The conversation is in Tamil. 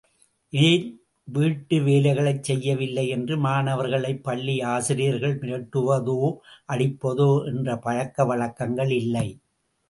ஏன் வீட்டு வேலைகளைச் செய்யவில்லை என்று மாணவர்களைப் பள்ளியாசிரியர்கள் மிரட்டுவதோ அடிப்பதோ என்ற பழக்க வழக்கங்கள் இல்லை.